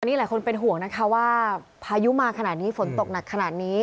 นี่หลายคนเป็นห่วงนะคะว่าพายุมาขนาดนี้ฝนตกหนักขนาดนี้